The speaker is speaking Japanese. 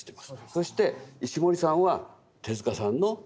そして石森さんは手さんの直系です。